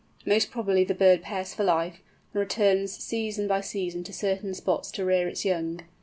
Most probably the bird pairs for life, and returns season by season to certain spots to rear its young.